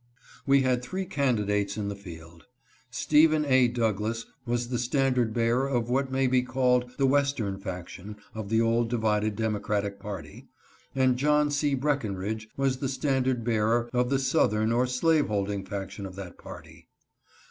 "We had three candidates in the field. Stephen A. Douglas was the standard bearer of what may be called the western faction of the old divided democratic party, and John C. Breckenridge was the standard bearer of the southern or slaveholding faction of that party.